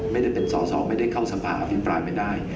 ไม่ได้เป็นสอสอไม่ได้เข้าสภาอภิปรายไม่ได้